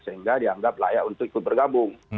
sehingga dianggap layak untuk ikut bergabung